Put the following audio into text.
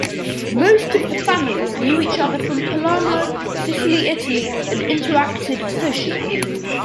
Most of the families knew each other from Palermo, Sicily Italy and interacted socially.